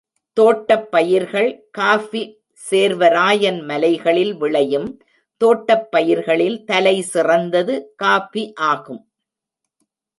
தோட்டப் பயிர்கள் காஃபி சேர்வராயன் மலைகளில் விளையும் தோட்டப் பயிர்களில் தலைசிறந்தது காஃபி ஆகும்.